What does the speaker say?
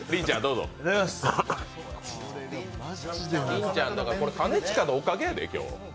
りんちゃん、兼近のおかげやで。